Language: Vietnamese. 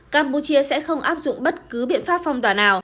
campuchia sẽ không áp dụng bất cứ biện pháp phong tỏa nào